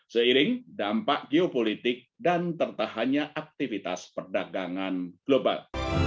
seiring dampak geopolitik dan tertahannya aktivitas perdagangan global